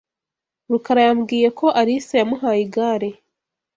Rukara yambwiye ko Alice yamuhaye igare.